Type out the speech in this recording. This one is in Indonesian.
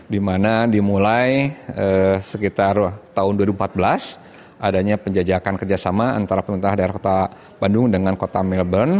di mana dimulai sekitar tahun dua ribu empat belas adanya penjajakan kerjasama antara pemerintah daerah kota bandung dengan kota melbourne